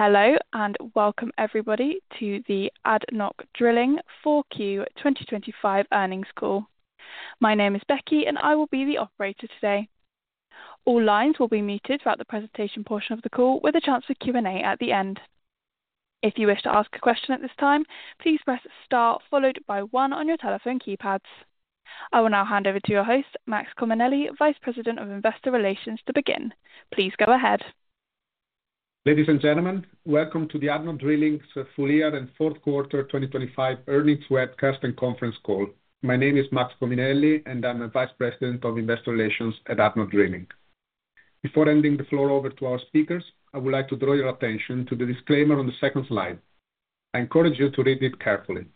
Hello, and welcome everybody to the ADNOC Drilling Q4 2025 earnings call. My name is Becky, and I will be the operator today. All lines will be muted throughout the presentation portion of the call, with a chance for Q&A at the end. If you wish to ask a question at this time, please press Star followed by one on your telephone keypads. I will now hand over to your host, Max Cominelli, Vice President of Investor Relations, to begin. Please go ahead. Ladies and gentlemen, welcome to the ADNOC Drilling's full year and fourth quarter 2025 earnings webcast and conference call. My name is Max Cominelli, and I'm the Vice President of Investor Relations at ADNOC Drilling. Before handing the floor over to our speakers, I would like to draw your attention to the disclaimer on the second slide. I encourage you to read it carefully.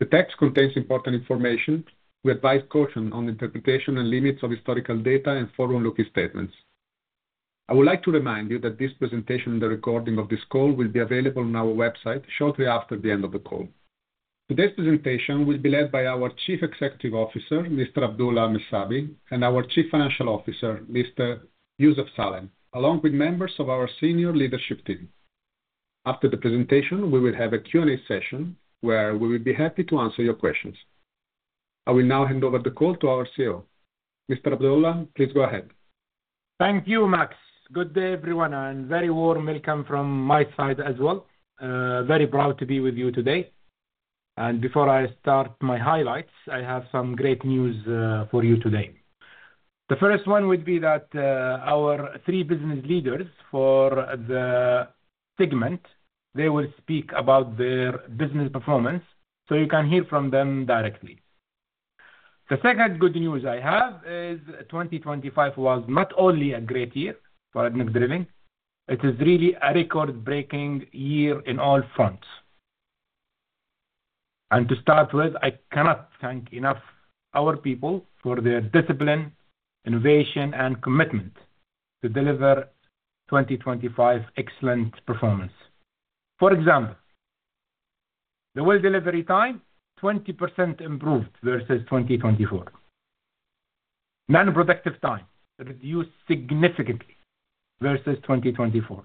The text contains important information. We advise caution on the interpretation and limits of historical data and forward-looking statements. I would like to remind you that this presentation and the recording of this call will be available on our website shortly after the end of the call. Today's presentation will be led by our Chief Executive Officer, Mr. Abdulla Al Messabi, and our Chief Financial Officer, Mr. Youssef Salem, along with members of our senior leadership team. After the presentation, we will have a Q&A session, where we will be happy to answer your questions. I will now hand over the call to our CEO. Mr. Abdullah, please go ahead. Thank you, Max. Good day, everyone, and very warm welcome from my side as well. Very proud to be with you today. And before I start my highlights, I have some great news for you today. The first one would be that our three business leaders for the segment, they will speak about their business performance, so you can hear from them directly. The second good news I have is 2025 was not only a great year for ADNOC Drilling, it is really a record-breaking year in all fronts. And to start with, I cannot thank enough our people for their discipline, innovation, and commitment to deliver 2025 excellent performance. For example, the well delivery time 20% improved versus 2024. Non-productive time reduced significantly versus 2024,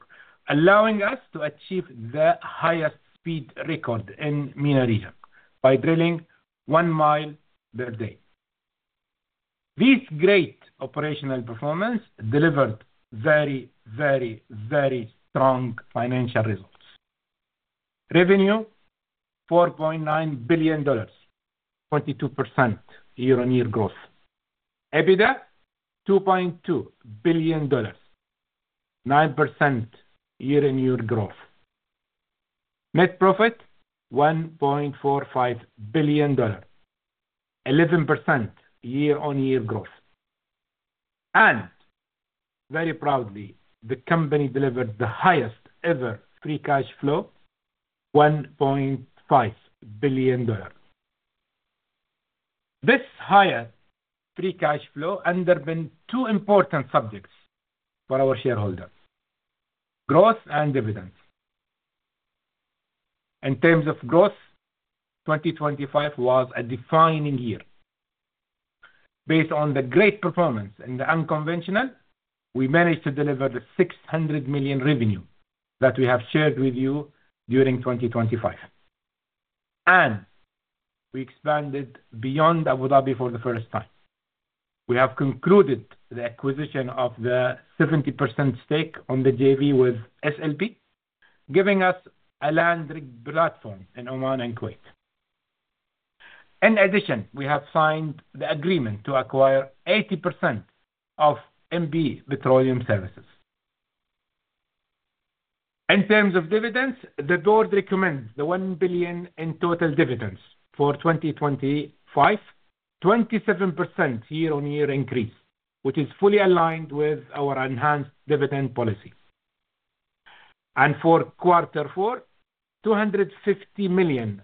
allowing us to achieve the highest speed record in MENA region by drilling one mile per day. This great operational performance delivered very, very, very strong financial results. Revenue, $4.9 billion, 22% year-on-year growth. EBITDA, $2.2 billion, 9% year-on-year growth. Net profit, $1.45 billion, 11% year-on-year growth. Very proudly, the company delivered the highest ever free cash flow, $1.5 billion. This higher free cash flow underpin two important subjects for our shareholders, growth and dividends. In terms of growth, 2025 was a defining year. Based on the great performance in the unconventional, we managed to deliver the $600 million revenue that we have shared with you during 2025. We expanded beyond Abu Dhabi for the first time. We have concluded the acquisition of the 70% stake on the JV with SLB, giving us a land rig platform in Oman and Kuwait. In addition, we have signed the agreement to acquire 80% of MB Petroleum Services. In terms of dividends, the board recommends the $1 billion in total dividends for 2025, 27% year-on-year increase, which is fully aligned with our enhanced dividend policy. For quarter four, $250 million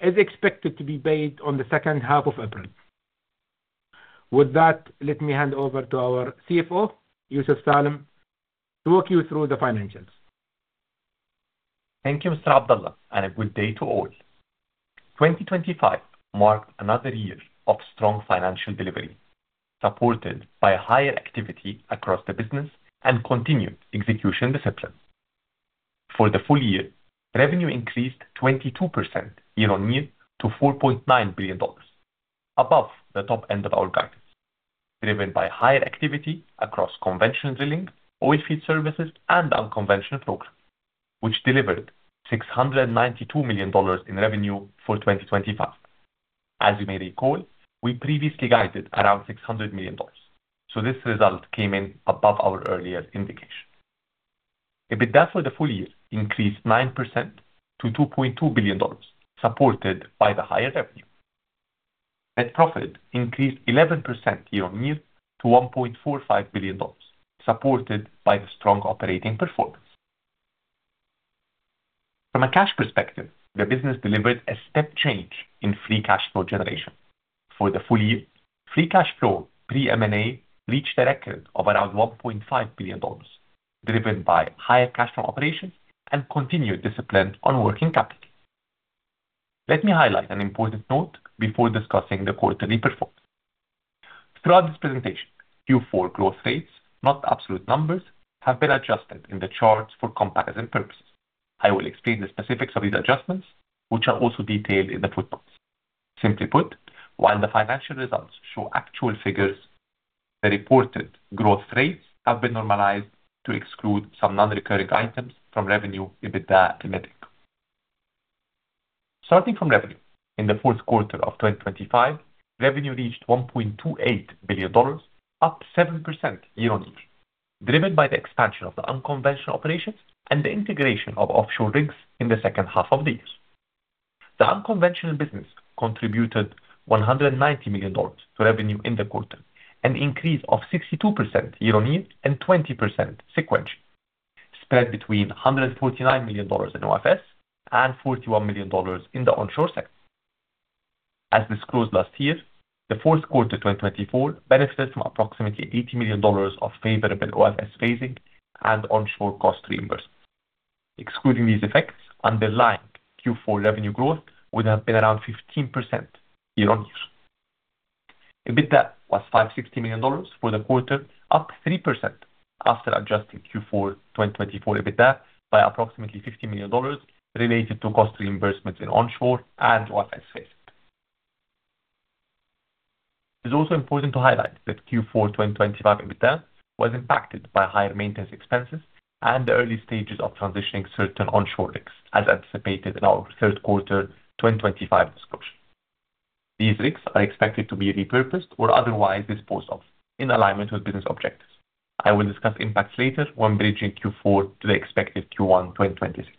is expected to be paid on the second half of April. With that, let me hand over to our CFO, Youssef Salem, to walk you through the financials. Thank you, Mr. Abdullah, and a good day to all. 2025 marked another year of strong financial delivery, supported by higher activity across the business and continued execution discipline. For the full year, revenue increased 22% year-on-year to $4.9 billion, above the top end of our guidance, driven by higher activity across conventional drilling, oil field services, and unconventional programs, which delivered $692 million in revenue for 2025. As you may recall, we previously guided around $600 million, so this result came in above our earlier indication. EBITDA for the full year increased 9% to $2.2 billion, supported by the higher revenue. Net profit increased 11% year-on-year to $1.45 billion, supported by the strong operating performance. From a cash perspective, the business delivered a step change in free cash flow generation. For the full year, free cash flow pre-M&A reached a record of around $1.5 billion, driven by higher cash from operations and continued discipline on working capital. Let me highlight an important note before discussing the quarterly performance. Throughout this presentation, Q4 growth rates, not absolute numbers, have been adjusted in the charts for comparison purposes. I will explain the specifics of these adjustments, which are also detailed in the footnotes. Simply put, while the financial results show actual figures, the reported growth rates have been normalized to exclude some non-recurring items from revenue, EBITDA, and net income. Starting from revenue. In the fourth quarter of 2025, revenue reached $1.28 billion, up 7% year-on-year, driven by the expansion of the unconventional operations and the integration of offshore rigs in the second half of the year. The unconventional business contributed $190 million to revenue in the quarter, an increase of 62% year-on-year and 20% sequentially, spread between $149 million in OFS and $41 million in the onshore sector. As disclosed last year, the fourth quarter 2024 benefited from approximately $80 million of favorable OFS phasing and onshore cost reimbursement. Excluding these effects, underlying Q4 revenue growth would have been around 15% year-on-year. EBITDA was $560 million for the quarter, up 3% after adjusting Q4 2024 EBITDA by approximately $50 million related to cost reimbursements in onshore and OFS phasing. It is also important to highlight that Q4 2025 EBITDA was impacted by higher maintenance expenses and the early stages of transitioning certain onshore rigs, as anticipated in our third quarter 2025 discussion. These rigs are expected to be repurposed or otherwise disposed of in alignment with business objectives. I will discuss impacts later when bridging Q4 to the expected Q1 2026.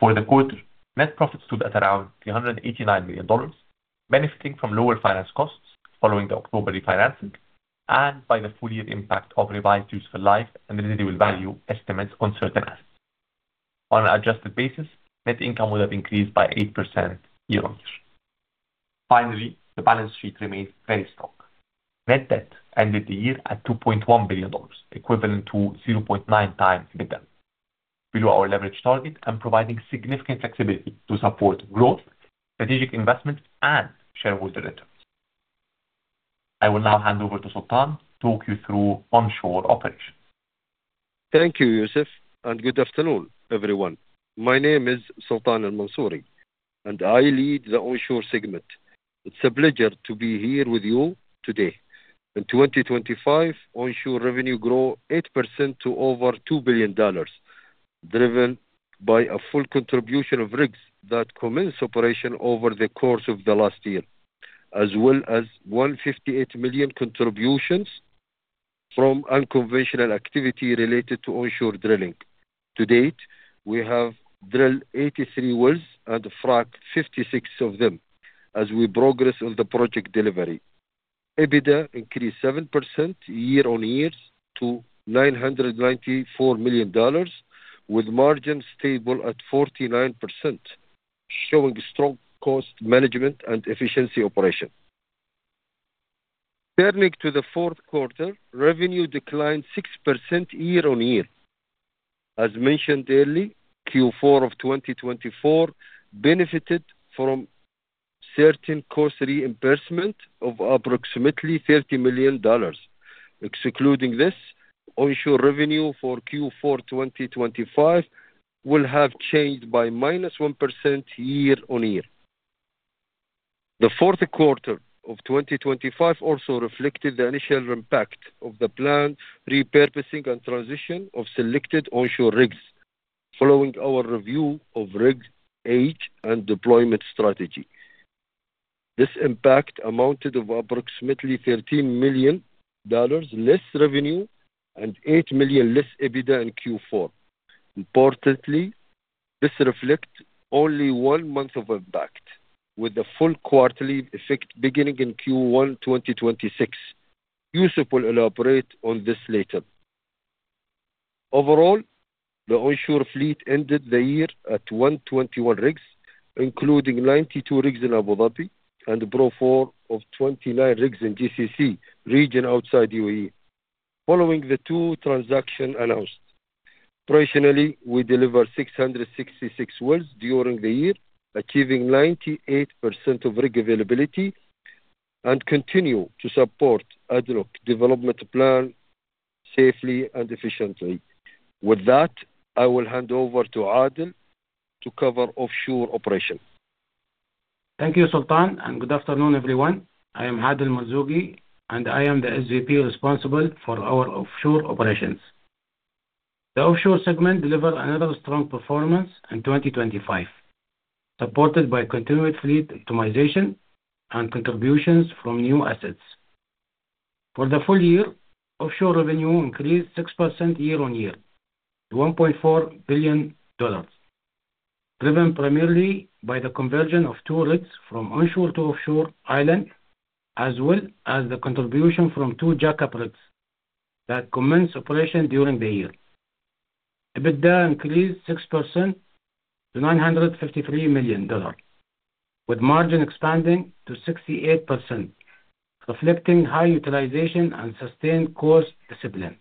For the quarter, net profit stood at around $389 million, benefiting from lower finance costs following the October refinancing and by the full year impact of revised useful life and residual value estimates on certain assets. On an adjusted basis, net income would have increased by 8% year-on-year. Finally, the balance sheet remains very strong. Net debt ended the year at $2.1 billion, equivalent to 0.9x EBITDA, below our leverage target and providing significant flexibility to support growth, strategic investments, and shareholder returns. I will now hand over to Sultan to talk you through onshore operations. Thank you, Youssef, and good afternoon, everyone. My name is Sultan Al Mansoori, and I lead the onshore segment. It's a pleasure to be here with you today. In 2025, onshore revenue grew 8% to over $2 billion, driven by a full contribution of rigs that commenced operation over the course of the last year, as well as $158 million contributions from unconventional activity related to onshore drilling. To date, we have drilled 83 wells and fracked 56 of them as we progress on the project delivery. EBITDA increased 7% year-on-year to $994 million, with margins stable at 49%, showing strong cost management and efficiency operation. Turning to the fourth quarter, revenue declined 6% year-on-year. As mentioned earlier, Q4 of 2024 benefited from certain cost reimbursement of approximately $30 million. Excluding this, onshore revenue for Q4 2025 will have changed by -1% year-on-year. The fourth quarter of 2025 also reflected the initial impact of the planned repurposing and transition of selected onshore rigs, following our review of rig age and deployment strategy. This impact amounted to approximately $13 million less revenue and $8 million less EBITDA in Q4. Importantly, this reflects only one month of impact, with the full quarterly effect beginning in Q1 2026. Youssef will elaborate on this later. Overall, the onshore fleet ended the year at 121 rigs, including 92 rigs in Abu Dhabi and 29 rigs in GCC region outside UAE. Following the two transactions announced, traditionally, we delivered 666 wells during the year, achieving 98% of rig availability and continue to support ADNOC development plan safely and efficiently. With that, I will hand over to Adel to cover offshore operations. Thank you, Sultan, and good afternoon, everyone. I am Adel Al Marzooqi, and I am the SVP responsible for our offshore operations. The offshore segment delivered another strong performance in 2025, supported by continued fleet optimization and contributions from new assets. For the full year, offshore revenue increased 6% year-on-year to $1.4 billion, driven primarily by the conversion of two rigs from onshore to offshore island, as well as the contribution from two jack-up rigs that commenced operation during the year. EBITDA increased 6% to $953 million, with margin expanding to 68%, reflecting high utilization and sustained cost discipline.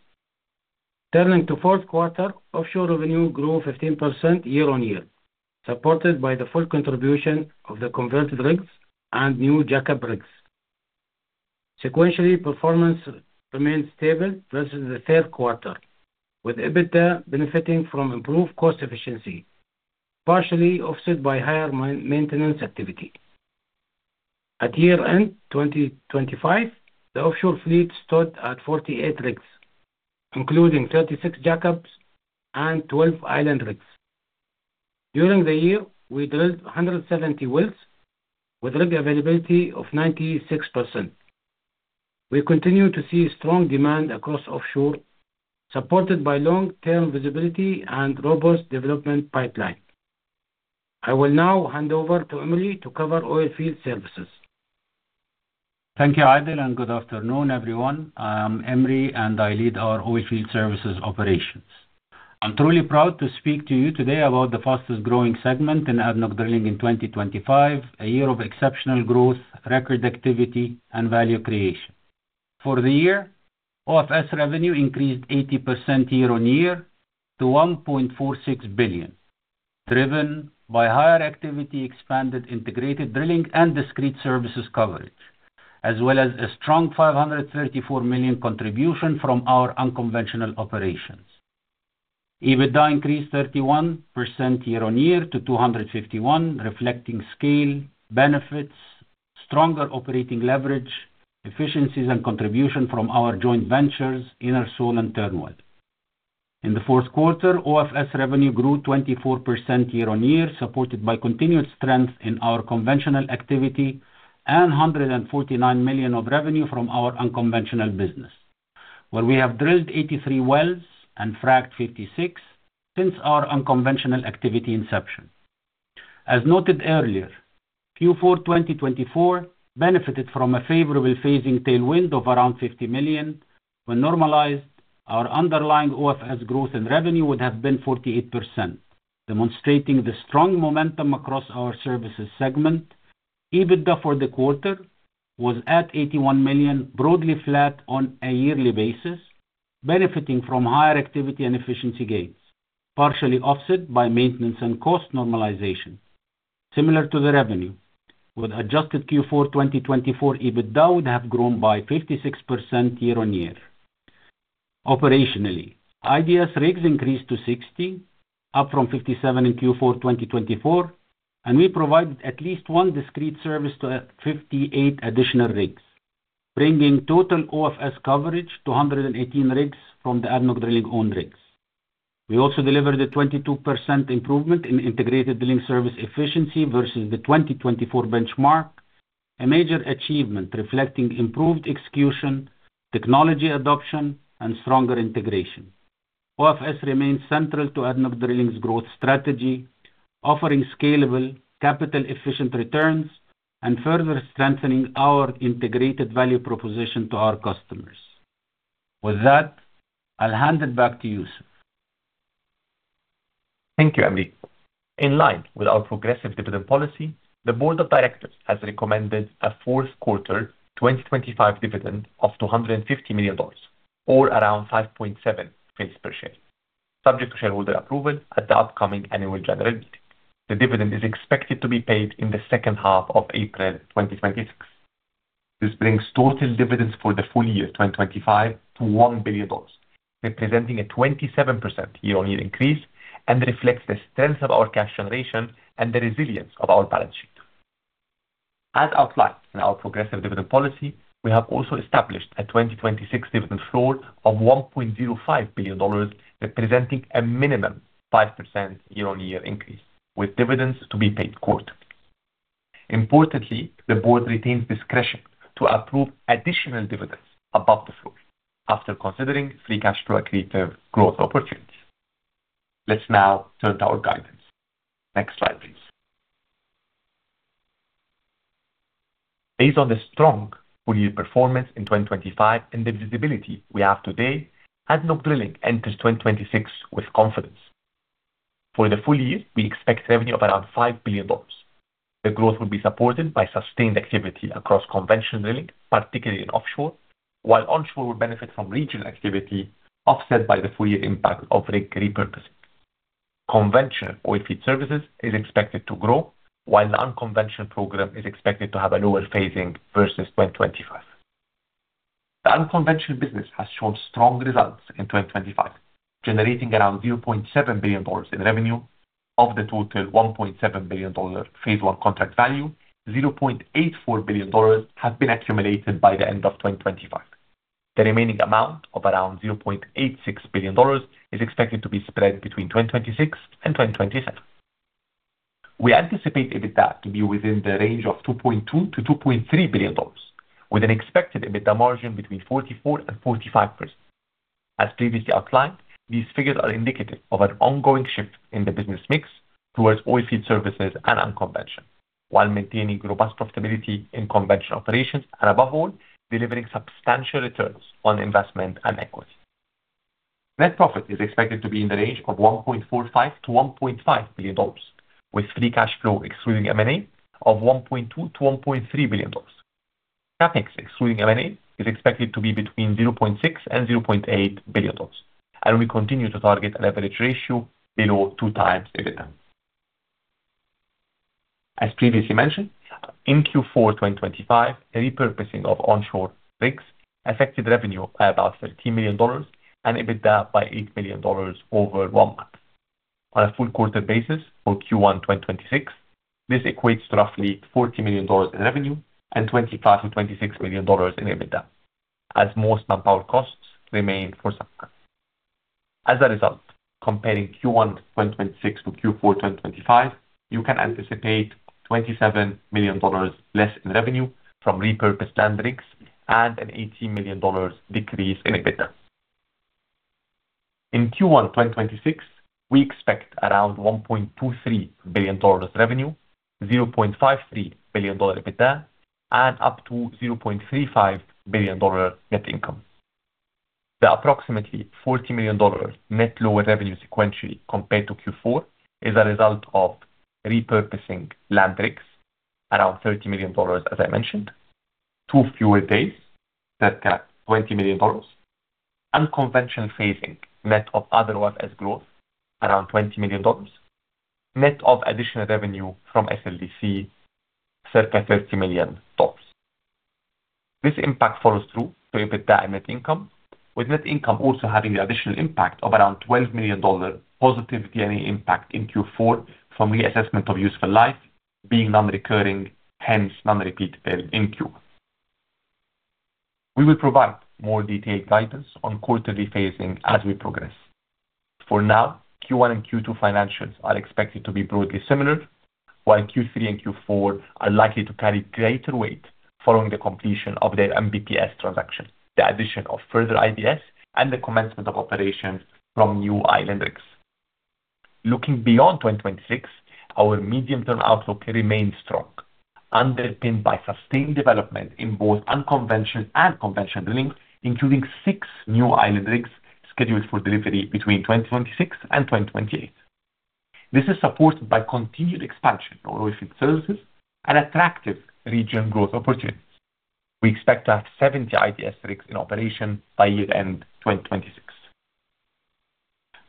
Turning to fourth quarter, offshore revenue grew 15% year-on-year, supported by the full contribution of the converted rigs and new jack-up rigs. Sequentially, performance remained stable versus the third quarter, with EBITDA benefiting from improved cost efficiency, partially offset by higher maintenance activity. At year-end 2025, the offshore fleet stood at 48 rigs, including 36 jack-ups and 12 island rigs. During the year, we drilled 170 wells, with rig availability of 96%. We continue to see strong demand across offshore, supported by long-term visibility and robust development pipeline. I will now hand over to Emri to cover oilfield services. Thank you, Adel, and good afternoon, everyone. I'm Emri, and I lead our oilfield services operations. I'm truly proud to speak to you today about the fastest-growing segment in ADNOC Drilling in 2025, a year of exceptional growth, record activity, and value creation. For the year, OFS revenue increased 80% year-on-year to $1.46 billion, driven by higher activity, expanded integrated drilling, and discrete services coverage, as well as a strong $534 million contribution from our unconventional operations. EBITDA increased 31% year-on-year to $251 million, reflecting scale, benefits, stronger operating leverage, efficiencies, and contribution from our joint ventures, Enersol and Turnwell. In the fourth quarter, OFS revenue grew 24% year-on-year, supported by continued strength in our conventional activity and $149 million of revenue from our unconventional business, where we have drilled 83 wells and fracked 56 since our unconventional activity inception. As noted earlier, Q4 2024 benefited from a favorable phasing tailwind of around $50 million. When normalized, our underlying OFS growth in revenue would have been 48%, demonstrating the strong momentum across our services segment. EBITDA for the quarter was at $81 million, broadly flat on a yearly basis, benefiting from higher activity and efficiency gains, partially offset by maintenance and cost normalization. Similar to the revenue, with adjusted Q4 2024, EBITDA would have grown by 56% year-on-year. Operationally, IDS rigs increased to 60, up from 57 in Q4 2024, and we provided at least one discrete service to 58 additional rigs, bringing total OFS coverage to 118 rigs from the ADNOC Drilling-owned rigs. We also delivered a 22% improvement in integrated drilling service efficiency versus the 2024 benchmark, a major achievement reflecting improved execution, technology adoption, and stronger integration. OFS remains central to ADNOC Drilling's growth strategy, offering scalable capital-efficient returns and further strengthening our integrated value proposition to our customers. With that, I'll hand it back to Youssef. Thank you, Emri. In line with our progressive dividend policy, the board of directors has recommended a fourth quarter 2025 dividend of $250 million, or around 5.7 cents per share, subject to shareholder approval at the upcoming annual general meeting. The dividend is expected to be paid in the second half of April 2026. This brings total dividends for the full year 2025 to $1 billion, representing a 27% year-over-year increase, and reflects the strength of our cash generation and the resilience of our balance sheet. As outlined in our progressive dividend policy, we have also established a 2026 dividend floor of $1.05 billion, representing a minimum 5% year-over-year increase, with dividends to be paid quarterly. Importantly, the board retains discretion to approve additional dividends above the floor after considering free cash flow accretive growth opportunities. Let's now turn to our guidance. Next slide, please. Based on the strong full-year performance in 2025 and the visibility we have today, ADNOC Drilling enters 2026 with confidence. For the full year, we expect revenue of around $5 billion. The growth will be supported by sustained activity across conventional drilling, particularly in offshore, while onshore will benefit from regional activity, offset by the full year impact of rig repurposing. Conventional oilfield services is expected to grow, while the unconventional program is expected to have a lower phasing versus 2025. The unconventional business has shown strong results in 2025, generating around $0.7 billion in revenue. Of the total $1.7 billion phase one contract value, $0.84 billion has been accumulated by the end of 2025. The remaining amount of around $0.86 billion is expected to be spread between 2026 and 2027. We anticipate EBITDA to be within the range of $2.2 billion-$2.3 billion, with an expected EBITDA margin between 44%-45%. As previously outlined, these figures are indicative of an ongoing shift in the business mix towards oilfield services and unconventional, while maintaining robust profitability in conventional operations and, above all, delivering substantial returns on investment and equity. Net profit is expected to be in the range of $1.45 billion-$1.5 billion, with free cash flow excluding M&A of $1.2 billion-$1.3 billion.... CapEx, excluding M&A, is expected to be between $0.6 billion and $0.8 billion, and we continue to target a leverage ratio below 2x EBITDA. As previously mentioned, in Q4 2025, a repurposing of onshore rigs affected revenue by about $13 million and EBITDA by $8 million over one month. On a full quarter basis for Q1 2026, this equates to roughly $40 million in revenue and $25 million-$26 million in EBITDA, as most manpower costs remain for some time. As a result, comparing Q1 2026 to Q4 2025, you can anticipate $27 million less in revenue from repurposed land rigs and an $18 million decrease in EBITDA. In Q1 2026, we expect around $1.23 billion revenue, $0.53 billion EBITDA, and up to $0.35 billion net income. The approximately $40 million net lower revenue sequentially compared to Q4 is a result of repurposing land rigs, around $30 million as I mentioned, two fewer days, circa $20 million. Unconventional phasing, net of otherwise as growth, around $20 million. Net of additional revenue from SLDC, circa $30 million tops. This impact follows through to EBITDA and net income, with net income also having the additional impact of around $12 million positive D&A impact in Q4 from reassessment of useful life being non-recurring, hence non-repeatable in Q. We will provide more detailed guidance on quarterly phasing as we progress. For now, Q1 and Q2 financials are expected to be broadly similar, while Q3 and Q4 are likely to carry greater weight following the completion of their MBPS transaction, the addition of further IDS, and the commencement of operations from new island rigs. Looking beyond 2026, our medium-term outlook remains strong, underpinned by sustained development in both unconventional and conventional drilling, including six new island rigs scheduled for delivery between 2026 and 2028. This is supported by continued expansion of oilfield services and attractive regional growth opportunities. We expect to have 70 IDS rigs in operation by year-end 2026.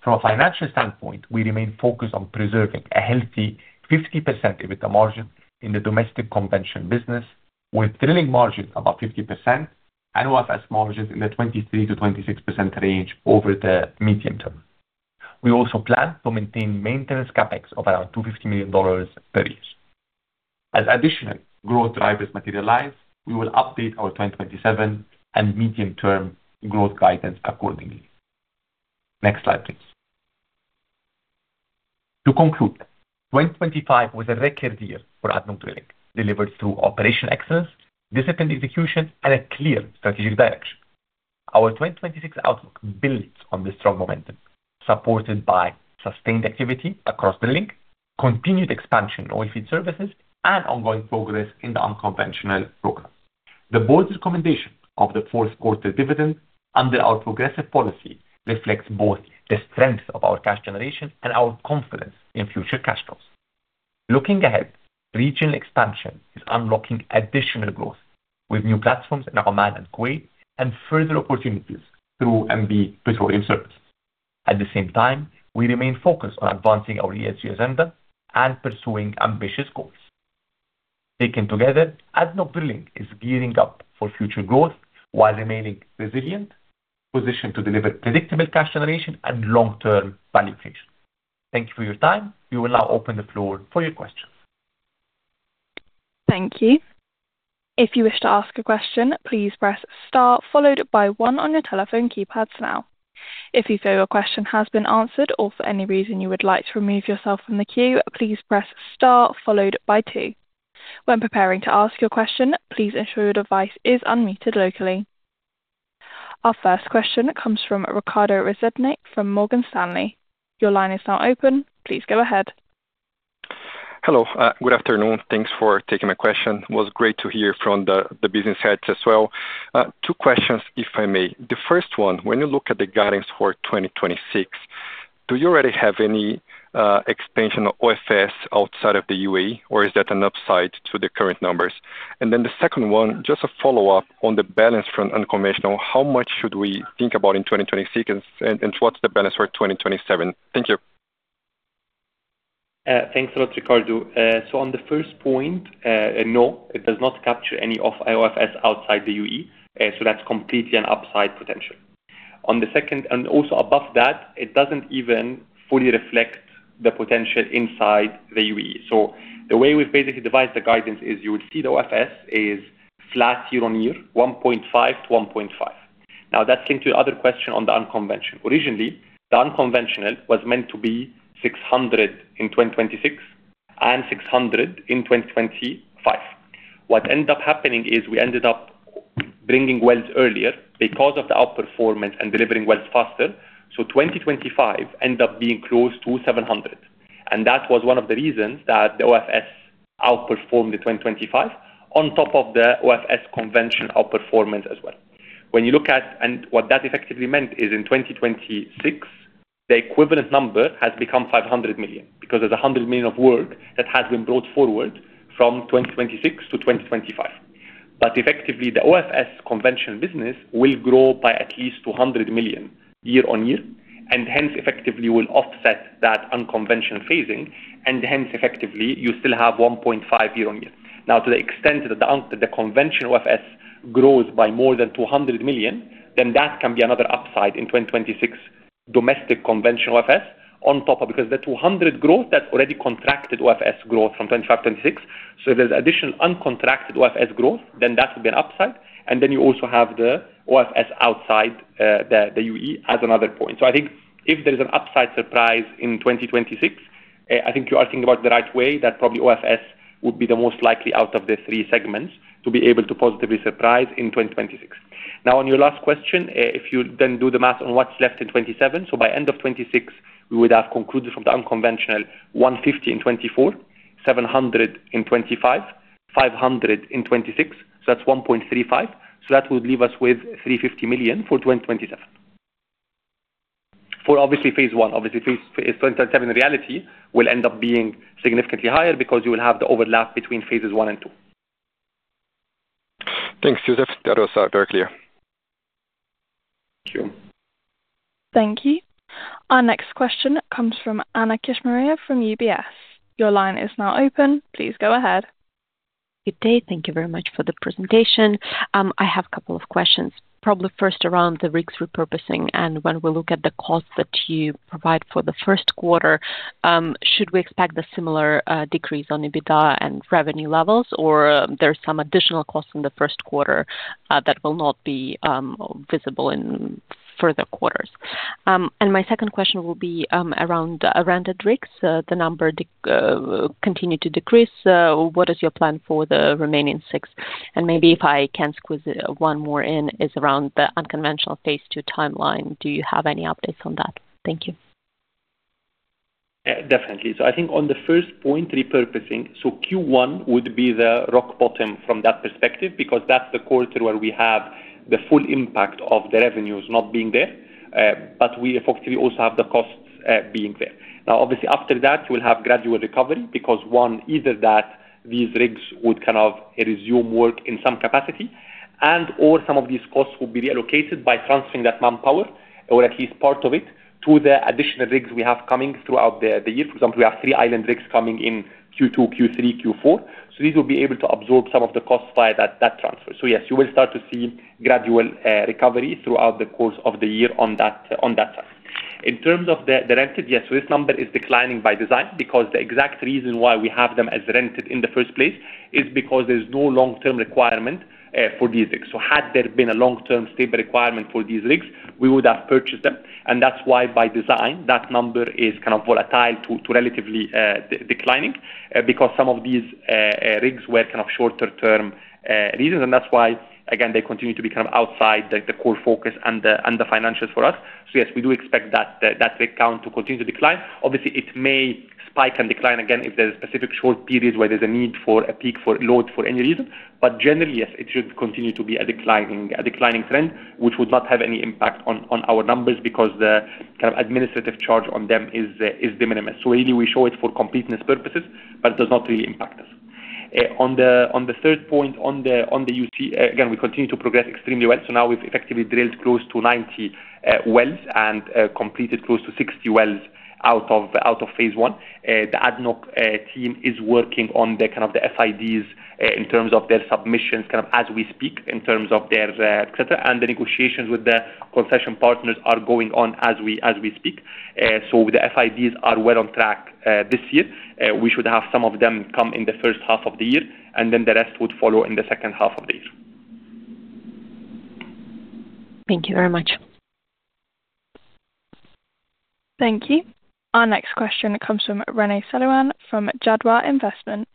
From a financial standpoint, we remain focused on preserving a healthy 50% EBITDA margin in the domestic conventional business, with drilling margins about 50% and OFS margins in the 23%-26% range over the medium term. We also plan to maintain maintenance CapEx of around $250 million per year. As additional growth drivers materialize, we will update our 2027 and medium-term growth guidance accordingly. Next slide, please. To conclude, 2025 was a record year for ADNOC Drilling, delivered through operational excellence, disciplined execution, and a clear strategic direction. Our 2026 outlook builds on this strong momentum, supported by sustained activity across the link, continued expansion in oilfield services, and ongoing progress in the unconventional programs. The board's recommendation of the fourth quarter dividend under our progressive policy reflects both the strength of our cash generation and our confidence in future cash flows. Looking ahead, regional expansion is unlocking additional growth with new platforms in Oman and Kuwait and further opportunities through MB Petroleum Services. At the same time, we remain focused on advancing our ESG agenda and pursuing ambitious goals. Taken together, ADNOC Drilling is gearing up for future growth while remaining resilient, positioned to deliver predictable cash generation and long-term value creation. Thank you for your time. We will now open the floor for your questions. Thank you. If you wish to ask a question, please press star followed by one on your telephone keypads now. If you feel your question has been answered or for any reason you would like to remove yourself from the queue, please press star followed by two. When preparing to ask your question, please ensure your device is unmuted locally. Our first question comes from Ricardo Rezende from Morgan Stanley. Your line is now open. Please go ahead. Hello, good afternoon. Thanks for taking my question. It was great to hear from the, the business heads as well. Two questions, if I may. The first one, when you look at the guidance for 2026, do you already have any expansion of OFS outside of the UAE, or is that an upside to the current numbers? And then the second one, just a follow-up on the balance from unconventional. How much should we think about in 2026, and what's the balance for 2027? Thank you. Thanks a lot, Ricardo. So on the first point, no, it does not capture any of OFS outside the UAE, so that's completely an upside potential. On the second, and also above that, it doesn't even fully reflect the potential inside the UAE. So the way we've basically devised the guidance is you would see the OFS is flat year-on-year, $1.5-$1.5. Now, that came to your other question on the unconventional. Originally, the unconventional was meant to be $600 in 2026 and $600 in 2025. What ended up happening is we ended up bringing wells earlier because of the outperformance and delivering wells faster. So 2025 ended up being close to $700, and that was one of the reasons that the OFS outperformed the 2025, on top of the OFS conventional outperformance as well. When you look at, and what that effectively meant is in 2026. The equivalent number has become $500 million, because there's $100 million of work that has been brought forward from 2026 to 2025. But effectively, the OFS conventional business will grow by at least $200 million year-on-year, and hence effectively will offset that unconventional phasing, and hence effectively you still have $1.5 billion year-on-year. Now, to the extent that the conventional OFS grows by more than $200 million, then that can be another upside in 2026 domestic conventional OFS on top of, because the $200 million growth, that's already contracted OFS growth from 2025, 2026. So there's additional uncontracted OFS growth, then that would be an upside. And then you also have the OFS outside the UAE as another point. So I think if there is an upside surprise in 2026, I think you are thinking about the right way, that probably OFS would be the most likely out of the three segments to be able to positively surprise in 2026. Now, on your last question, if you then do the math on what's left in 2027. So by end of 2026, we would have concluded from the unconventional $150 million in 2024, $700 million in 2025, $500 million in 2026, so that's $1.35 billion. So that would leave us with $350 million for 2027. For obviously phase one. Obviously, phase two in reality, will end up being significantly higher because you will have the overlap between phases one and two. Thanks, Joseph. That was very clear. Thank you. Thank you. Our next question comes from Anna Kishmariya from UBS. Your line is now open. Please go ahead. Good day. Thank you very much for the presentation. I have a couple of questions. Probably first around the rigs repurposing, and when we look at the costs that you provide for the first quarter, should we expect a similar decrease on EBITDA and revenue levels, or are there some additional costs in the first quarter that will not be visible in further quarters? And my second question will be around the rented rigs. The number continue to decrease. What is your plan for the remaining six? And maybe if I can squeeze one more in, is around the Unconventional phase two timeline. Do you have any updates on that? Thank you. Definitely. So I think on the first point, repurposing, so Q1 would be the rock bottom from that perspective, because that's the quarter where we have the full impact of the revenues not being there, but we fortunately also have the costs being there. Now, obviously, after that, you will have gradual recovery because, one, either that these rigs would kind of resume work in some capacity, and/or some of these costs will be relocated by transferring that manpower, or at least part of it, to the additional rigs we have coming throughout the year. For example, we have three island rigs coming in Q2, Q3, Q4. So these will be able to absorb some of the costs via that transfer. So yes, you will start to see gradual recovery throughout the course of the year on that side. In terms of the rented, yes, this number is declining by design, because the exact reason why we have them as rented in the first place is because there's no long-term requirement for these rigs. So had there been a long-term stable requirement for these rigs, we would have purchased them, and that's why, by design, that number is kind of volatile to relatively declining. Because some of these rigs were kind of shorter term reasons, and that's why, again, they continue to be kind of outside the core focus and the financials for us. So yes, we do expect that rig count to continue to decline. Obviously, it may spike and decline again if there's specific short periods where there's a need for a peak for load for any reason. But generally, yes, it should continue to be a declining trend, which would not have any impact on our numbers because the kind of administrative charge on them is de minimis. So really, we show it for completeness purposes, but it does not really impact us. On the third point, on the UC, again, we continue to progress extremely well. So now we've effectively drilled close to 90 wells and completed close to 60 wells out of phase one. The ADNOC team is working on the kind of the FIDs in terms of their submissions, kind of as we speak, in terms of their et cetera. And the negotiations with the concession partners are going on as we speak. So the FIDs are well on track this year. We should have some of them come in the first half of the year, and then the rest would follow in the second half of the year. Thank you very much. Thank you. Our next question comes from Rene Selouan from Jadwa Investment.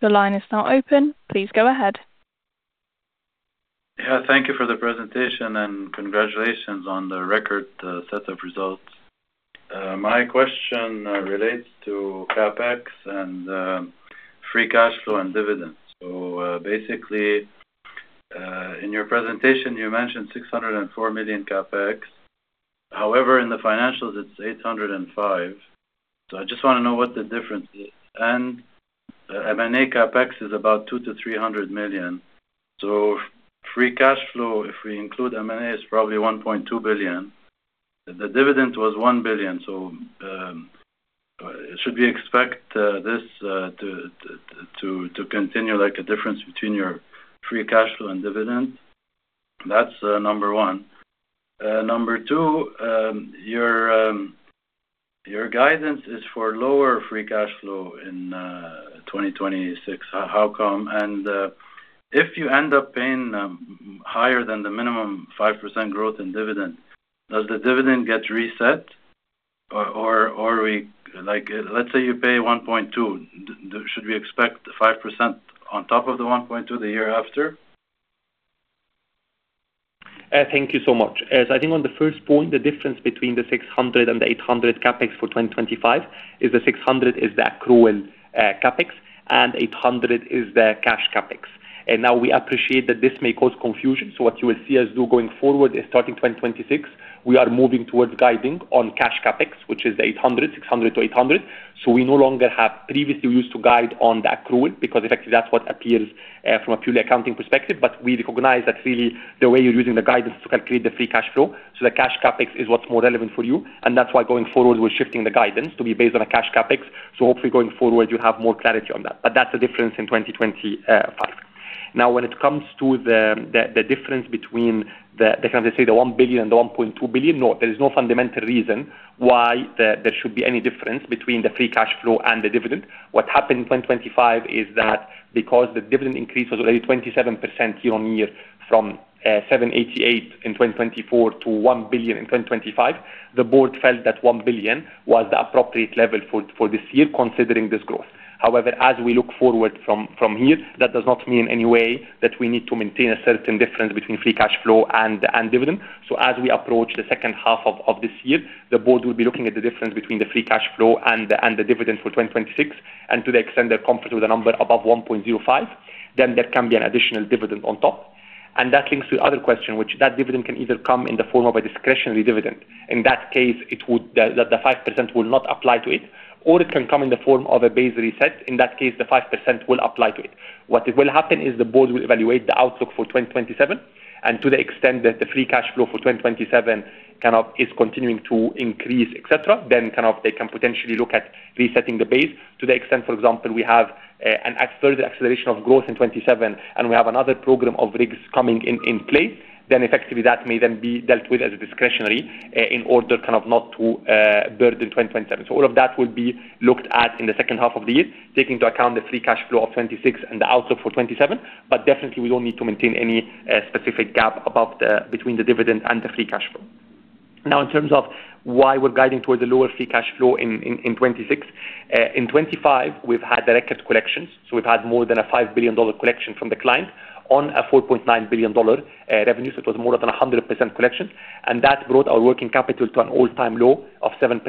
The line is now open. Please go ahead. Yeah, thank you for the presentation, and congratulations on the record set of results. My question relates to CapEx and free cash flow and dividends. So, basically, in your presentation, you mentioned $604 million CapEx. However, in the financials, it's $805 million. So I just want to know what the difference is. And M&A CapEx is about $200 million-$300 million. So free cash flow, if we include M&A, is probably $1.2 billion. The dividend was $1 billion. So, should we expect this to continue, like, a difference between your free cash flow and dividends? That's number one. Number two, your guidance is for lower free cash flow in 2026. How come? If you end up paying higher than the minimum 5% growth in dividend, does the dividend get reset? Or, like, let's say you pay $1.2. Should we expect 5% on top of the $1.2 the year after? Thank you so much. As I think on the first point, the difference between the $600 million and the $800 million CapEx for 2025, is the $600 million is the accrual CapEx, and $800 million is the cash CapEx. Now we appreciate that this may cause confusion. So what you will see us do going forward is starting 2026, we are moving towards guiding on cash CapEx, which is $800 million, $600 million-$800 million. So we no longer have previously used to guide on the accrual, because effectively that's what appears from a purely accounting perspective. But we recognize that really the way you're using the guidance is to calculate the free cash flow. So the cash CapEx is what's more relevant for you, and that's why going forward, we're shifting the guidance to be based on a cash CapEx. So hopefully, going forward, you'll have more clarity on that. But that's the difference in 2025. Now, when it comes to the difference between the $1 billion and the $1.2 billion. No, there is no fundamental reason why there should be any difference between the free cash flow and the dividend. What happened in 2025 is that because the dividend increase was already 27% year-on-year from $788 million in 2024 to $1 billion in 2025, the board felt that $1 billion was the appropriate level for this year, considering this growth. However, as we look forward from here, that does not mean in any way that we need to maintain a certain difference between free cash flow and dividend. So as we approach the second half of this year, the board will be looking at the difference between the free cash flow and the dividend for 2026, and to the extent they're comfortable with a number above 1.05, then there can be an additional dividend on top. That links to the other question, which that dividend can either come in the form of a discretionary dividend. In that case, it would, the 5% will not apply to it, or it can come in the form of a base reset. In that case, the 5% will apply to it. What will happen is the board will evaluate the outlook for 2027, and to the extent that the free cash flow for 2027 kind of is continuing to increase, et cetera, then kind of they can potentially look at resetting the base. To the extent, for example, we have a further acceleration of growth in 2027, and we have another program of rigs coming in, in place, then effectively that may then be dealt with as a discretionary, in order kind of not to burden 2027. So all of that will be looked at in the second half of the year, taking into account the free cash flow of 2026 and the outlook for 2027. But definitely we don't need to maintain any specific gap above the between the dividend and the free cash flow. Now, in terms of why we're guiding towards the lower free cash flow in 2026. In 2025, we've had record collections, so we've had more than a $5 billion collection from the client on a $4.9 billion revenue. So it was more than a 100% collection, and that brought our working capital to an all-time low of 7%,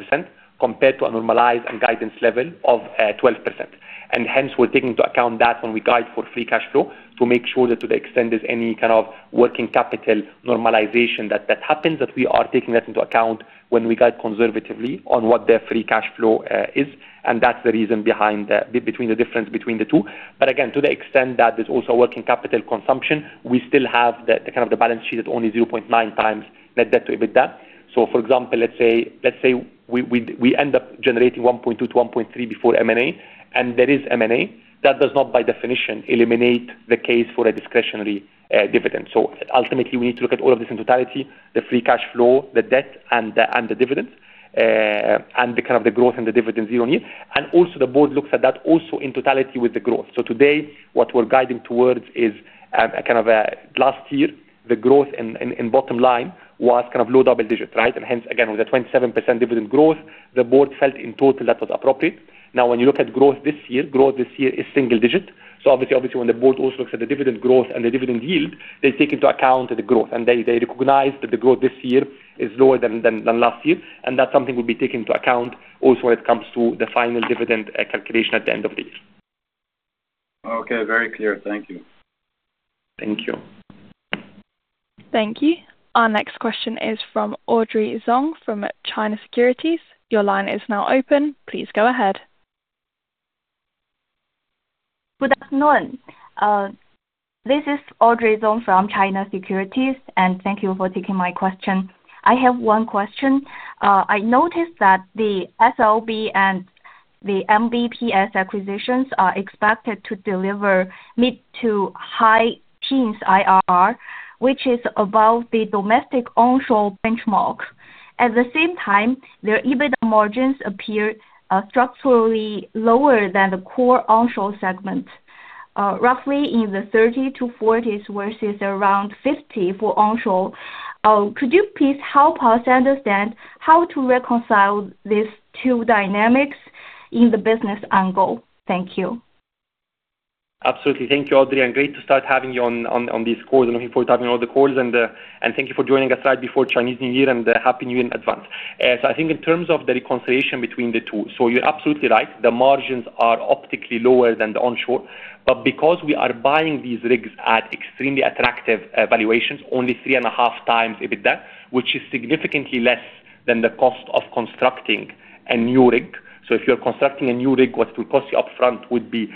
compared to a normalized and guidance level of 12%. And hence, we're taking into account that when we guide for free cash flow to make sure that to the extent there's any kind of working capital normalization, that that happens, that we are taking that into account when we guide conservatively on what their free cash flow is. And that's the reason behind the between the difference between the two. But again, to the extent that there's also working capital consumption, we still have, kind of, the balance sheet at only 0.9x net debt to EBITDA. So for example, let's say we end up generating 1.2-1.3 before M&A, and there is M&A, that does not by definition eliminate the case for a discretionary dividend. So ultimately, we need to look at all of this in totality, the free cash flow, the debt, and the dividends, and the kind of the growth and the dividend year on year. And also the board looks at that also in totality with the growth. So today, what we're guiding towards is a kind of a last year, the growth in bottom line was kind of low double digits, right? And hence, again, with a 27% dividend growth, the board felt in total that was appropriate. Now, when you look at growth this year, growth this year is single digit. So obviously, obviously, when the board also looks at the dividend growth and the dividend yield, they take into account the growth, and they recognize that the growth this year is lower than last year, and that's something will be taken into account also when it comes to the final dividend calculation at the end of the year. Okay, very clear. Thank you. Thank you. Thank you. Our next question is from Audrey Zhong from China Securities. Your line is now open. Please go ahead. Good afternoon. This is Audrey Zhong from China Securities, and thank you for taking my question. I have one question. I noticed that the SLB and the MBPS acquisitions are expected to deliver mid- to high-teens IRR, which is above the domestic onshore benchmark. At the same time, their EBIT margins appear structurally lower than the core onshore segment, roughly in the 30s to 40s, versus around 50 for onshore. Could you please help us understand how to reconcile these two dynamics in the business angle? Thank you. Absolutely. Thank you, Audrey, and great to start having you on these calls. I'm looking forward to having you on the calls and thank you for joining us right before Chinese New Year and happy New Year in advance. So I think in terms of the reconciliation between the two, so you're absolutely right, the margins are optically lower than the onshore. But because we are buying these rigs at extremely attractive valuations, only 3.5x EBITDA, which is significantly less than the cost of constructing a new rig. So if you're constructing a new rig, what it will cost you upfront would be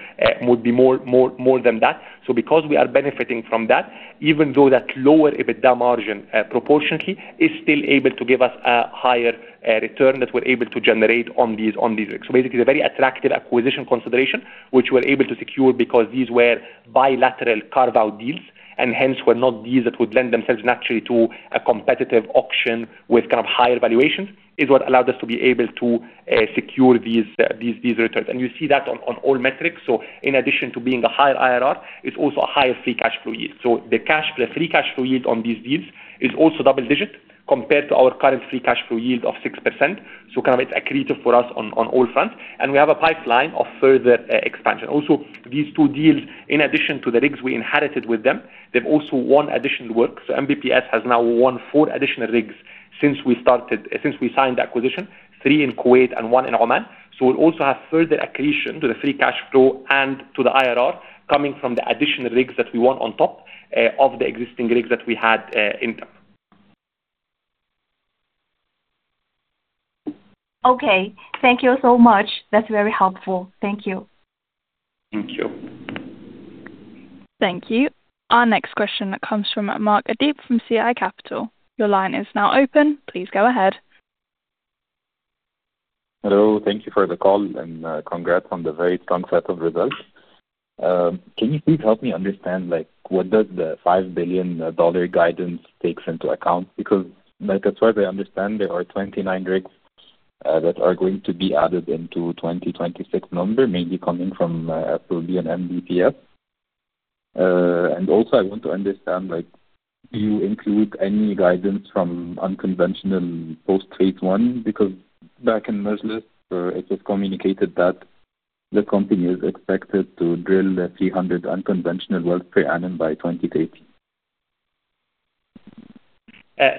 more than that. So because we are benefiting from that, even though that lower EBITDA margin, proportionately, is still able to give us a higher, return that we're able to generate on these, on these rigs. So basically, a very attractive acquisition consideration, which we're able to secure because these were bilateral carve-out deals, and hence were not deals that would lend themselves naturally to a competitive auction with kind of higher valuations, is what allowed us to be able to, secure these, these, these returns. And you see that on, on all metrics. So in addition to being a higher IRR, it's also a higher free cash flow yield. So the cash, the free cash flow yield on these deals is also double-digit compared to our current free cash flow yield of 6%. So kind of it's accretive for us on, on all fronts, and we have a pipeline of further expansion. Also, these two deals, in addition to the rigs we inherited with them, they've also won additional work. So MBPS has now won four additional rigs since we started, since we signed the acquisition, three in Kuwait and one in Oman. So we'll also have further accretion to the free cash flow and to the IRR coming from the additional rigs that we want on top of the existing rigs that we had in term. Okay. Thank you so much. That's very helpful. Thank you. Thank you. Thank you. Our next question comes from Mark Adeeb from CI Capital. Your line is now open. Please go ahead. Hello. Thank you for the call, and, congrats on the very strong set of results. Can you please help me understand, like, what does the $5 billion guidance takes into account? Because, like, as far as I understand, there are 29 rigs, that are going to be added into 2026 number, mainly coming from, probably an MBPS. And also, I want to understand, like, do you include any guidance from unconventional post phase one? Because back in IPO, it was communicated that the company is expected to drill 300 unconventional wells per annum by 2030.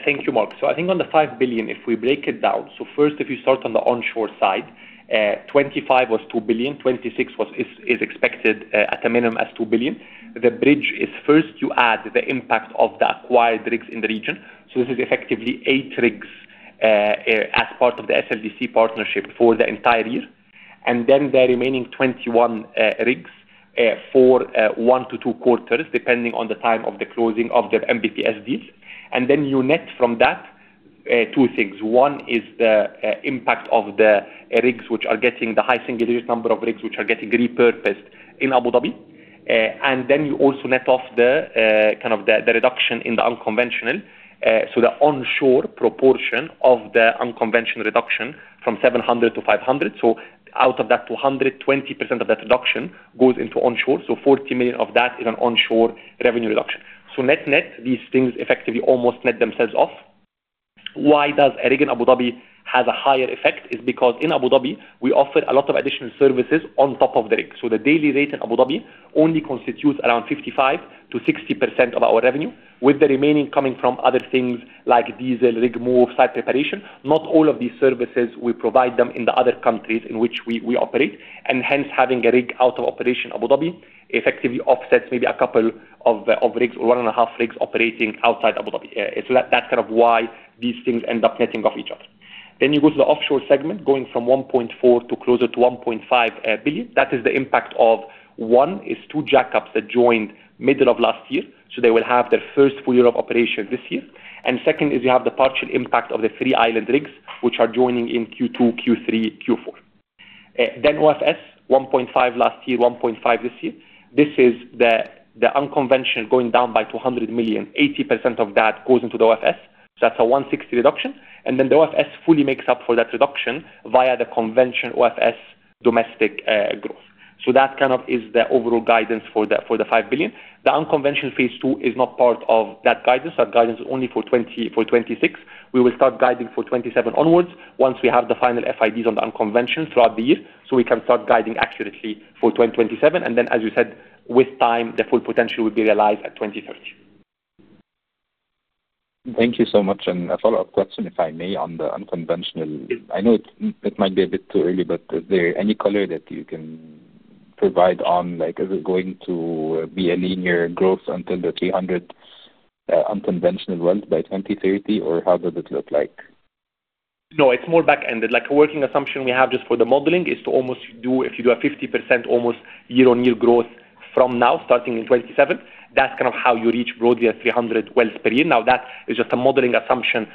Thank you, Mark. So I think on the $5 billion, if we break it down, so first, if you start on the onshore side, 2025 was $2 billion, 2026 was—is expected, at a minimum, as $2 billion. The bridge is first, you add the impact of the acquired rigs in the region. So this is effectively eight rigs, as part of the SLB partnership for the entire year, and then the remaining 21 rigs, for one-two quarters, depending on the time of the closing of their MBPS deals. And then you net from that two things. One is the impact of the rigs, which are getting the high single-digit number of rigs, which are getting repurposed in Abu Dhabi. And then you also net off the kind of the reduction in the unconventional. So the onshore proportion of the unconventional reduction from 700 to 500. So out of that, 200, 20% of that reduction goes into onshore. So $40 million of that is an onshore revenue reduction. So net-net, these things effectively almost net themselves off. Why does a rig in Abu Dhabi has a higher effect? Is because in Abu Dhabi, we offer a lot of additional services on top of the rig. So the daily rate in Abu Dhabi only constitutes around 55%-60% of our revenue, with the remaining coming from other things like diesel, rig move, site preparation. Not all of these services, we provide them in the other countries in which we operate, and hence having a rig out of operation Abu Dhabi effectively offsets maybe a couple of rigs or 1.5 rigs operating outside Abu Dhabi. It's like that's kind of why these things end up netting off each other. Then you go to the offshore segment, going from $1.4 billion to closer to $1.5 billion. That is the impact of, one, is two jackups that joined middle of last year, so they will have their first full year of operation this year. And second is you have the partial impact of the three island rigs, which are joining in Q2, Q3, Q4. Then OFS, $1.5 billion last year, $1.5 billion this year. This is the unconventional going down by $200 million. 80% of that goes into the OFS. So that's a $160 million reduction, and then the OFS fully makes up for that reduction via the conventional OFS domestic growth. So that kind of is the overall guidance for the $5 billion. The unconventional phase two is not part of that guidance. That guidance is only for 2026. We will start guiding for 2027 onwards once we have the final FIDs on the unconventional throughout the year, so we can start guiding accurately for 2027, and then as you said, with time, the full potential will be realized at 2030. Thank you so much. A follow-up question, if I may, on the unconventional. I know it might be a bit too early, but is there any color that you can provide on, like, is it going to be a linear growth until the 300 unconventional wells by 2030, or how does it look like? No, it's more back-ended. Like, a working assumption we have just for the modeling is to almost do if you do a 50% almost year-on-year growth from now, starting in 2027, that's kind of how you reach broadly at 300 wells per year. Now, that is just a modeling assumption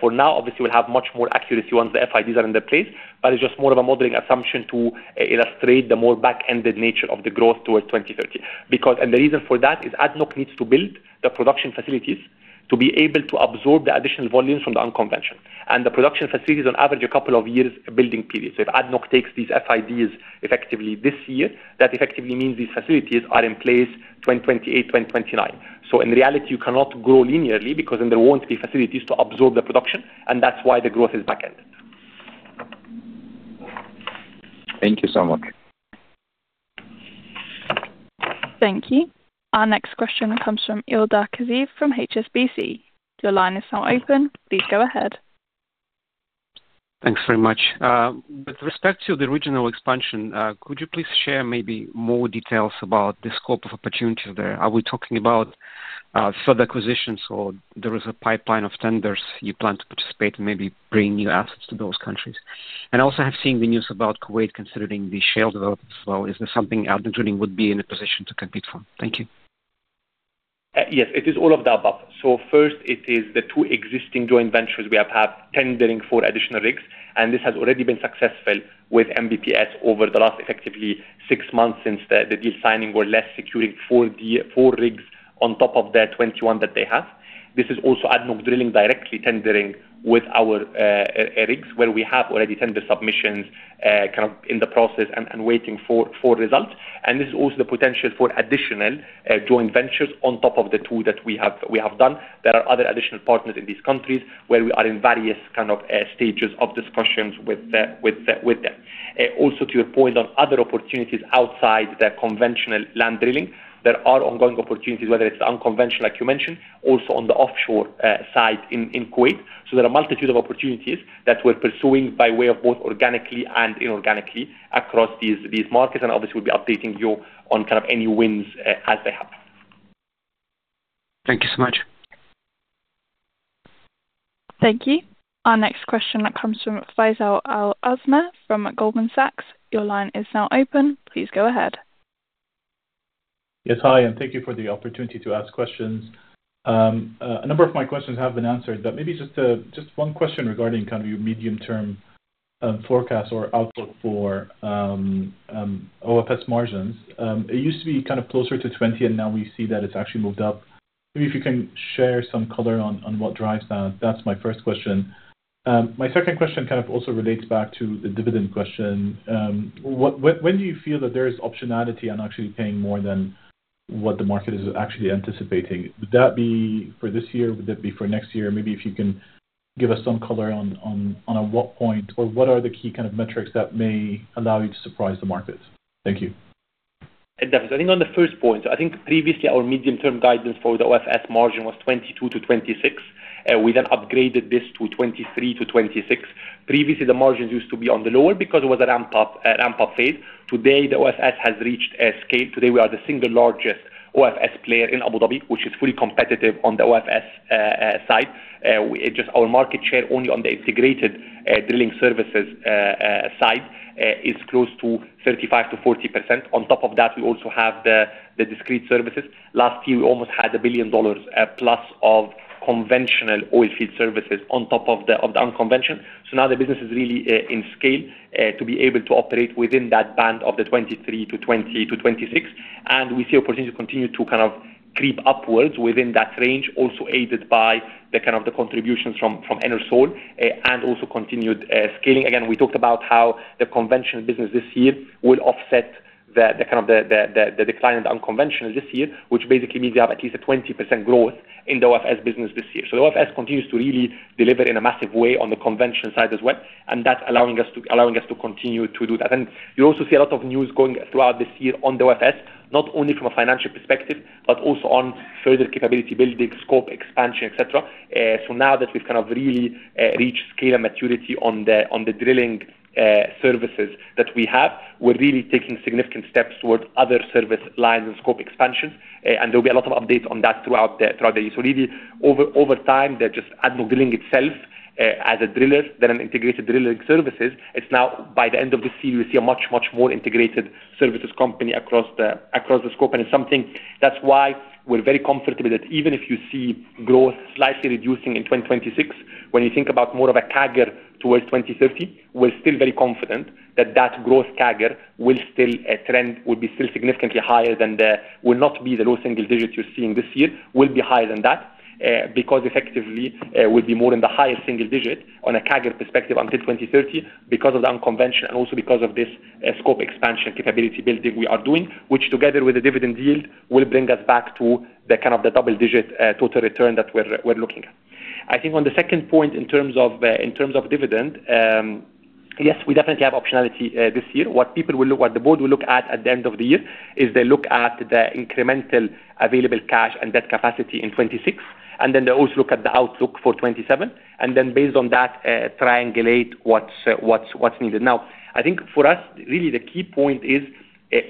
for now. Obviously, we'll have much more accuracy once the FIDs are in place, but it's just more of a modeling assumption to illustrate the more back-ended nature of the growth towards 2030. Because and the reason for that is ADNOC needs to build the production facilities to be able to absorb the additional volumes from the unconventional. And the production facilities on average, a couple of years building period. So if ADNOC takes these FIDs effectively this year, that effectively means these facilities are in place 2028, 2029. In reality, you cannot grow linearly because then there won't be facilities to absorb the production, and that's why the growth is back-ended. Thank you so much. Thank you. Our next question comes from Ildar Khaziev from HSBC. Your line is now open. Please go ahead. Thanks very much. With respect to the regional expansion, could you please share maybe more details about the scope of opportunities there? Are we talking about, further acquisitions, or there is a pipeline of tenders you plan to participate and maybe bring new assets to those countries? And also, I have seen the news about Kuwait considering the shale development as well. Is there something ADNOC Drilling would be in a position to compete for? Thank you. Yes, it is all of the above. So first, it is the two existing joint ventures. We have had tendering for additional rigs, and this has already been successful with MBPS over the last, effectively, six months since the deal signing or less securing four rigs on top of the 21 that they have. This is also ADNOC Drilling directly tendering with our rigs, where we have already tender submissions kind of in the process and waiting for results. And this is also the potential for additional joint ventures on top of the two that we have done. There are other additional partners in these countries where we are in various kind of stages of discussions with them.... Also to your point on other opportunities outside the conventional land drilling, there are ongoing opportunities, whether it's unconventional, like you mentioned, also on the offshore side in Kuwait. So there are a multitude of opportunities that we're pursuing by way of both organically and inorganically across these markets, and obviously, we'll be updating you on kind of any wins as they happen. Thank you so much. Thank you. Our next question comes from Faisal Al-Azmeh from Goldman Sachs. Your line is now open. Please go ahead. Yes, hi, and thank you for the opportunity to ask questions. A number of my questions have been answered, but maybe just, just one question regarding kind of your medium-term, forecast or outlook for, OFS margins. It used to be kind of closer to 20%, and now we see that it's actually moved up. Maybe if you can share some color on, on what drives that. That's my first question. My second question kind of also relates back to the dividend question. What, when, when do you feel that there is optionality on actually paying more than what the market is actually anticipating? Would that be for this year? Would that be for next year? Maybe if you can give us some color on at what point or what are the key kind of metrics that may allow you to surprise the markets. Thank you. Definitely, I think on the first point, I think previously our medium-term guidance for the OFS margin was 22%-26%, we then upgraded this to 23%-26%. Previously, the margins used to be on the lower because it was a ramp up phase. Today, the OFS has reached a scale. Today, we are the single largest OFS player in Abu Dhabi, which is fully competitive on the OFS side. Our market share only on the integrated drilling services side is close to 35%-40%. On top of that, we also have the discrete services. Last year, we almost had $1 billion plus of conventional oil field services on top of the unconventional. So now the business is really in scale to be able to operate within that band of the 23-26, and we see opportunities to continue to kind of creep upwards within that range, also aided by the kind of the contributions from Enersol and also continued scaling. Again, we talked about how the conventional business this year will offset the kind of the decline in unconventional this year, which basically means you have at least a 20% growth in the OFS business this year. So the OFS continues to really deliver in a massive way on the conventional side as well, and that's allowing us to, allowing us to continue to do that. You also see a lot of news going throughout this year on the OFS, not only from a financial perspective, but also on further capability building, scope, expansion, et cetera. So now that we've kind of really reached scale and maturity on the drilling services that we have, we're really taking significant steps towards other service lines and scope expansion. And there'll be a lot of updates on that throughout the year. So really, over time, they're just ADNOC Drilling itself as a driller, then an Integrated Drilling Services. It's now by the end of this year, you see a much, much more integrated services company across the scope and it's something... That's why we're very comfortable that even if you see growth slightly reducing in 2026, when you think about more of a CAGR towards 2030, we're still very confident that that growth CAGR will still, trend, will be still significantly higher than the-- will not be the low single digits you're seeing this year, will be higher than that, because effectively, will be more in the highest single digit on a CAGR perspective until 2030, because of the unconventional and also because of this, scope expansion, capability building we are doing, which, together with the dividend yield, will bring us back to the kind of the double-digit, total return that we're, we're looking at. I think on the second point, in terms of, in terms of dividend, yes, we definitely have optionality, this year. What the board will look at at the end of the year is they look at the incremental available cash and debt capacity in 2026, and then they also look at the outlook for 2027, and then based on that, triangulate what's needed. Now, I think for us, really the key point is,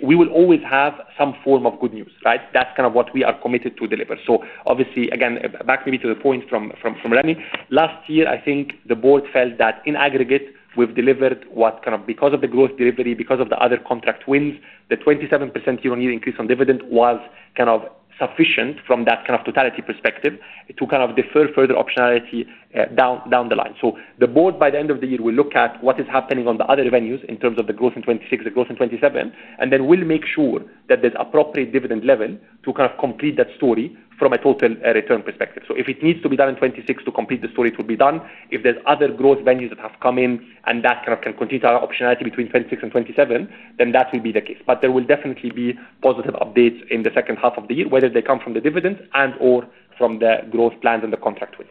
we will always have some form of good news, right? That's kind of what we are committed to deliver. So obviously, again, back maybe to the point from Remy. Last year, I think the board felt that in aggregate, we've delivered what kind of because of the growth delivery, because of the other contract wins, the 27% year-on-year increase on dividend was kind of sufficient from that kind of totality perspective, to kind of defer further optionality down the line. So the board, by the end of the year, will look at what is happening on the other avenues in terms of the growth in 2026, the growth in 2027, and then we'll make sure that there's appropriate dividend level to kind of complete that story from a total return perspective. So if it needs to be done in 2026 to complete the story, it will be done. If there's other growth avenues that have come in and that kind of can continue our optionality between 2026 and 2027, then that will be the case. But there will definitely be positive updates in the second half of the year, whether they come from the dividends and/or from the growth plans and the contract wins.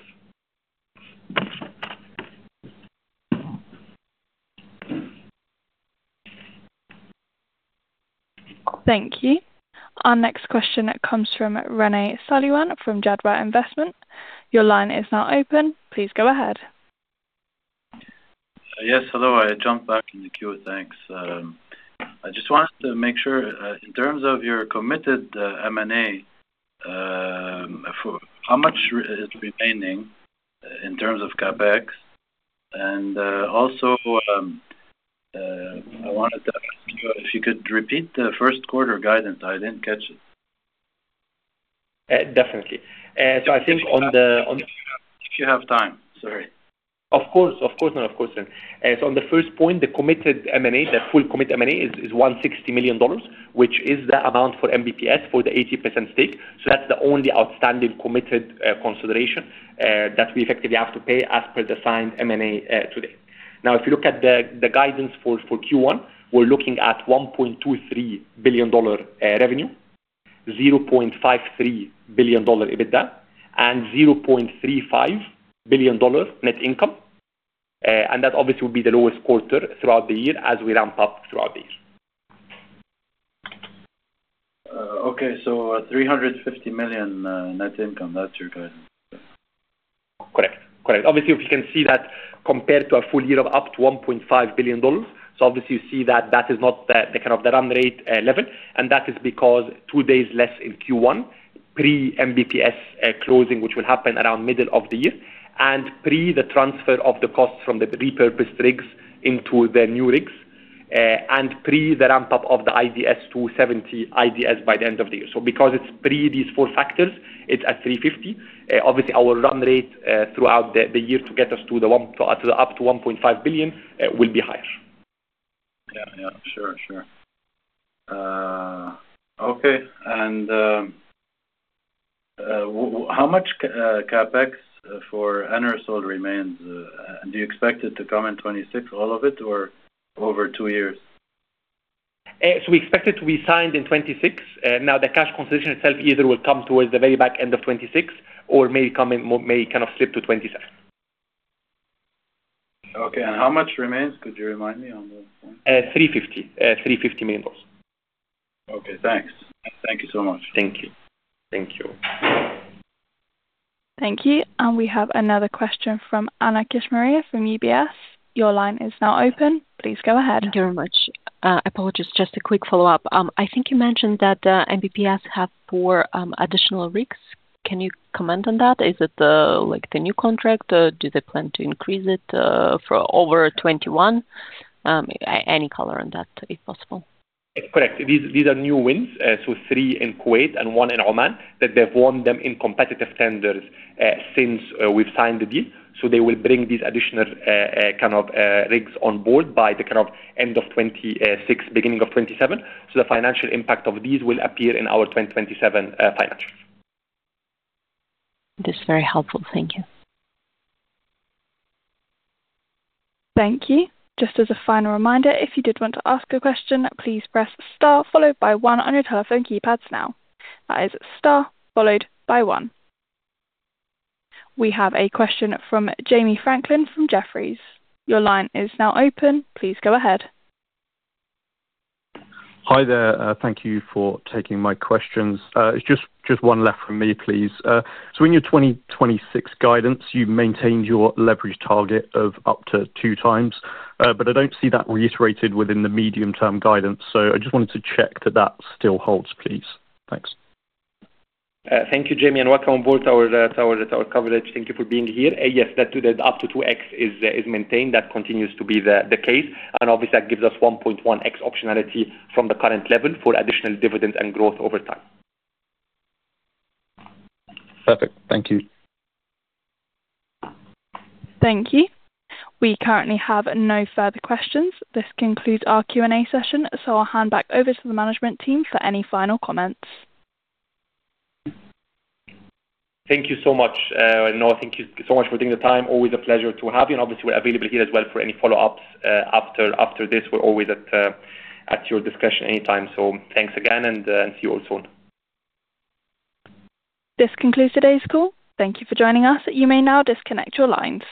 Thank you. Our next question comes from Rene Selouan from Jadwa Investment. Your line is now open. Please go ahead. Yes, hello. I jumped back in the queue, thanks. I just wanted to make sure, in terms of your committed M&A, for how much remains, in terms of CapEx? And, also, I wanted to ask you if you could repeat the first quarter guidance. I didn't catch it. Definitely. So I think on the- If you have time, sorry. Of course. Of course, no, of course. So on the first point, the committed M&A, the full commit M&A is $160 million, which is the amount for MBPS for the 80% stake. So that's the only outstanding committed consideration that we effectively have to pay as per the signed M&A today. Now, if you look at the guidance for Q1, we're looking at $1.23 billion revenue, $0.53 billion EBITDA and $0.35 billion net income. And that obviously will be the lowest quarter throughout the year as we ramp up throughout the year. Okay, so, $350 million net income, that's your guidance? Correct. Correct. Obviously, if you can see that compared to a full year of up to $1.5 billion. So obviously you see that that is not the, the kind of the run rate level, and that is because two days less in Q1, pre-MBPS closing, which will happen around middle of the year, and pre the transfer of the costs from the repurposed rigs into the new rigs, and pre the ramp up of the IDS to 70 IDS by the end of the year. So because it's pre these four factors, it's at $350 million. Obviously, our run rate throughout the year to get us to the one to the up to $1.5 billion will be higher. Yeah. Yeah. Sure. Sure. Okay. And how much CapEx for Enersol remains? Do you expect it to come in 2026, all of it, or over two years? So we expect it to be signed in 2026. Now, the cash consideration itself either will come towards the very back end of 2026 or may kind of slip to 2027. Okay, and how much remains? Could you remind me on that one? 350. $350 million. Okay, thanks. Thank you so much. Thank you. Thank you. Thank you. And we have another question from Anna Kishmariya from UBS. Your line is now open. Please go ahead. Thank you very much. Apologies, just a quick follow-up. I think you mentioned that MBPS have four additional rigs. Can you comment on that? Is it like the new contract? Do they plan to increase it for over 21? Any color on that, if possible? Correct. These, these are new wins. So three in Kuwait and 1 in Oman, that they've won them in competitive tenders, since we've signed the deal. So they will bring these additional, kind of, rigs on board by the kind of end of 2026, beginning of 2027. So the financial impact of these will appear in our 2027 financials. That's very helpful. Thank you. Thank you. Just as a final reminder, if you did want to ask a question, please press star followed by one on your telephone keypads now. That is star followed by one. We have a question from Jamie Franklin from Jefferies. Your line is now open. Please go ahead. Hi there. Thank you for taking my questions. It's just, just one left from me, please. So in your 2026 guidance, you maintained your leverage target of up to 2x, but I don't see that reiterated within the medium-term guidance, so I just wanted to check that that still holds, please. Thanks. Thank you, Jamie, and welcome on board our coverage. Thank you for being here. Yes, that up to 2x is maintained. That continues to be the case, and obviously, that gives us 1.1x optionality from the current level for additional dividends and growth over time. Perfect. Thank you. Thank you. We currently have no further questions. This concludes our Q&A session, so I'll hand back over to the management team for any final comments. Thank you so much. Thank you so much for taking the time. Always a pleasure to have you, and obviously, we're available here as well for any follow-ups. After this, we're always at your disposal anytime. So thanks again, and see you all soon. This concludes today's call. Thank you for joining us. You may now disconnect your lines.